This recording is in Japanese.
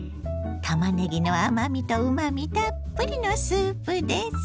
たまねぎの甘みとうまみたっぷりのスープです。